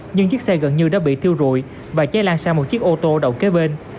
nhưng chiếc xe gần như đã bị thiêu rụi và cháy lan sang một chiếc ô tô đầu kế bên